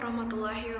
kita simak bersama sama